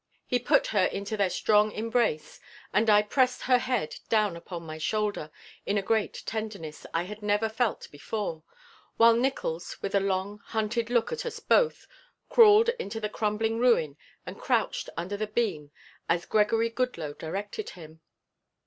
He put her into their strong embrace and I pressed her head down upon my shoulder in a great tenderness I had never felt before, while Nickols, with a long, hunted look at us both, crawled into the crumbling ruin and crouched under the beam as Gregory Goodloe directed him.